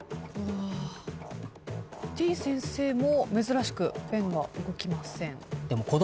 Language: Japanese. てぃ先生も珍しくペンが動きません。